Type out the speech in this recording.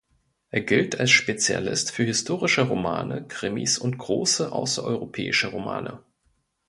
Er gilt als Spezialist für historische Romane, Krimis und große außereuropäische Romane.